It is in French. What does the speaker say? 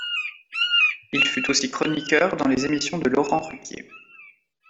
Il fut aussi chroniqueur dans les émissions de Laurent Ruquier.